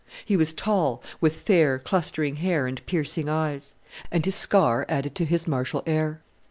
He was tall, with fair clustering hair and piercing eyes; and his scar added to his martial air.